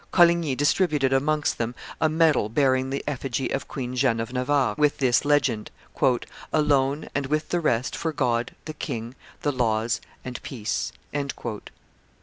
Coligny distributed amongst them a medal bearing the effigy of Queen Jeanne of Navarre with this legend: "Alone, and with the rest, for God, the king, the laws, and peace."